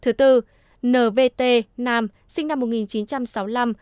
thứ tư nvt nam sinh năm một nghìn chín trăm sáu mươi năm